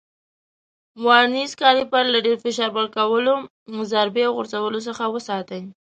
ورنیز کالیپر له ډېر فشار ورکولو، ضربې او غورځولو څخه وساتئ.